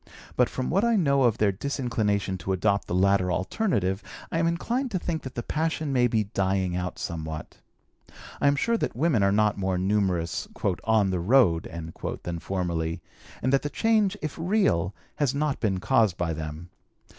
But from what I know of their disinclination to adopt the latter alternative, I am inclined to think that the passion may be dying out somewhat. I am sure that women are not more numerous "on the road" than formerly, and that the change, if real, has not been caused by them.